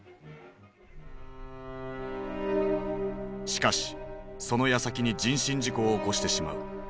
しかしそのやさきに人身事故を起こしてしまう。